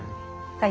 はい。